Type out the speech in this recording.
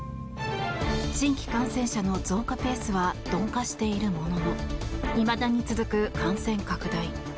新規感染者の増加ペースは鈍化しているもののいまだに続く感染拡大。